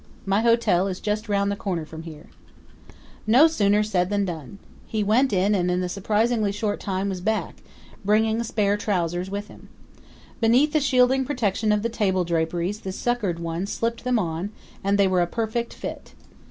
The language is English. My hotel is just round the corner from here." No sooner said than done. He went and in a surprisingly short time was back, bearing spare trousers with him. Beneath the shielding protection of the table draperies the succored one slipped them on, and they were a perfect fit.